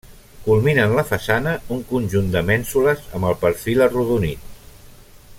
Culminen la façana un conjunt de mènsules amb el perfil arrodonit.